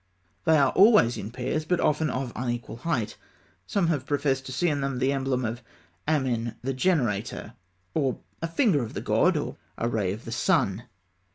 They are always in pairs, but often of unequal height. Some have professed to see in them the emblem of Amen, the Generator; or a finger of the god; or a ray of the sun.